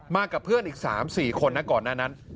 มากับเพื่อนอีก๓๔คนน่ะก่อนนั้น